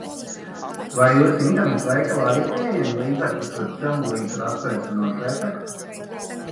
Vai jūsu interneta veikalā ir pieejami līdzekļi pret celulītu ar atvēsinošu efektu?